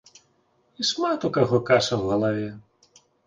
І шмат у каго каша ў галаве.